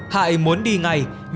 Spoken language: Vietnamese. hại muốn đi ngay